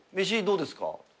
飯どうですか？